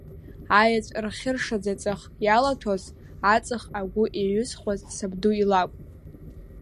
Аеҵәрхьыршаӡаҵых иалаҭәоз, аҵых агәы еиҩызхуаз сабду илакә.